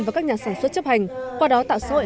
và các nhà sản xuất chấp hành qua đó tạo xã hội